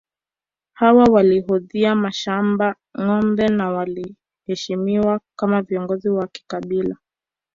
Hawa walihodhi mashamba ngombe na waliheshimiwa kama viongozi wa kikabila